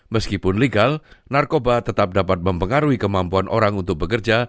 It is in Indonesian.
meskipun legal narkoba tetap dapat mempengaruhi kemampuan orang untuk bekerja